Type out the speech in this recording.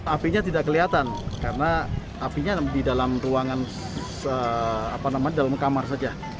apinya tidak kelihatan karena apinya di dalam ruangan dalam kamar saja